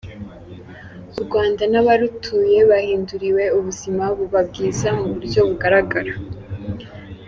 U Rwanda n’abarutuye bahinduriwe ubuzima buba bwiza mu buryo bugaragara.